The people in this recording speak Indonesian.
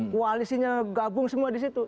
koalisinya gabung semua di situ